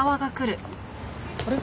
あれ？